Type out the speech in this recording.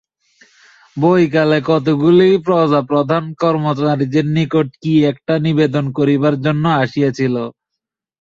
বৈকালে কতকগুলি প্রজা প্রধান কর্মচারীদের নিকট কী একটা নিবেদন করিবার জন্য আসিয়াছিল।